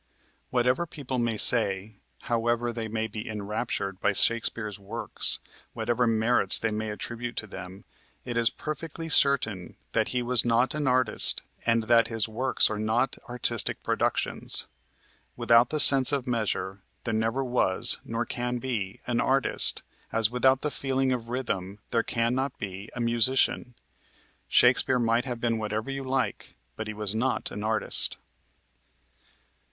Whatever people may say, however they may be enraptured by Shakespeare's works, whatever merits they may attribute to them, it is perfectly certain that he was not an artist and that his works are not artistic productions. Without the sense of measure, there never was nor can be an artist, as without the feeling of rhythm there can not be a musician. Shakespeare might have been whatever you like, but he was not an artist.